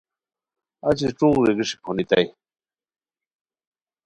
اچی ݯونگ ریگیݰی پھونتانی